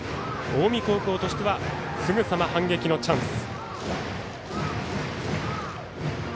近江高校としてはすぐさま反撃のチャンス。